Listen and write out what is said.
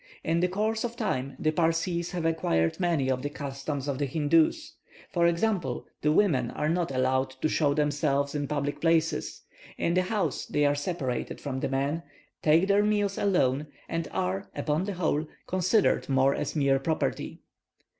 In the course of time the Parsees have acquired many of the customs of the Hindoos. For example, the women are not allowed to show themselves in public places; in the house they are separated from the men, take their meals alone, and are, upon the whole, considered more as mere property.